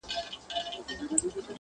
ورځه خپله مزدوري دي ترې جلا كه!.